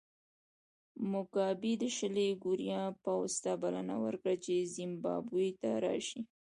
موګابي د شلي کوریا پوځ ته بلنه ورکړه چې زیمبابوې ته راشي.